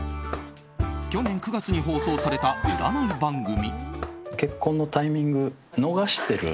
去年９月に放送された占い番組。